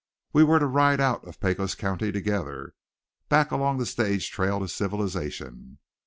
We were to ride out of Pecos County together, back along the stage trail to civilization.